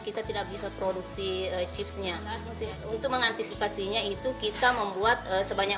kita tidak bisa produksi chipsnya untuk mengantisipasinya itu kita membuat sebanyak